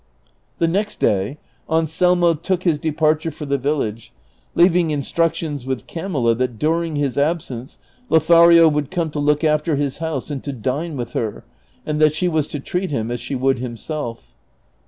The next day Anselmo took his departure for the village, leaving instructions with Camilla that during his absence Lothario would come to look after his house and to dine with her, and that she was to treat him as she would himself.